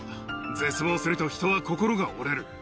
絶望すると人は心が折れる。